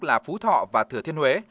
là phú thọ và thừa thiên huế